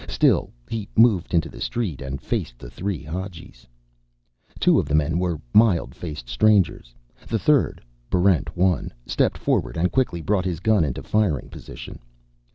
Still, he moved into the street and faced the three Hadjis. Two of the men were mild faced strangers. The third, Barrent 1, stepped forward and quickly brought his gun into firing position.